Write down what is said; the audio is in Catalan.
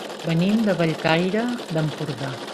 Venim de Bellcaire d'Empordà.